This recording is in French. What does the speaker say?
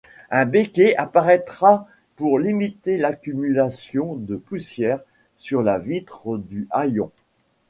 Un becquet apparaîtra pour limiter l'accumulation de poussières sur la vitre du hayon.